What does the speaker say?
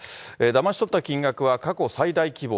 だまし取った金額は過去最大規模